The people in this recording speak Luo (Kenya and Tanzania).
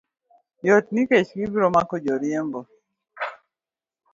Yot nikech gibiro mako joriembo